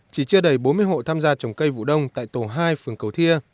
chỉ chưa đầy bốn mươi hộ tham gia trồng cây vụ đông tại tổ hai phường cầu thia